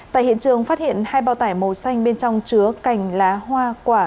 tại hiện trường phát hiện hai bao tải màu xanh bên trong chứa cành lá hoa quả